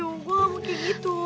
gue gak mau kayak gitu